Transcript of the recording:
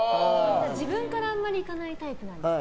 自分からあまり行かないタイプなんですか？